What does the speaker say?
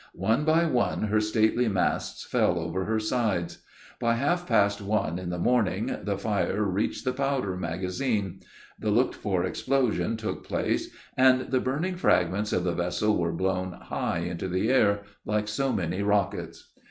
One by one her stately masts fell over her sides. By half past one in the morning the fire reached the powder magazine; the looked for explosion took place, and the burning fragments of the vessel were blown high into the air, like so many rockets.